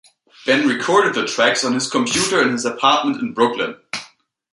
Ben recorded the tracks on his computer in his apartment in Brooklyn.